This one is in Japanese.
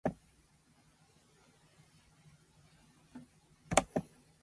日本の農業は今、大きな転換点を迎えています。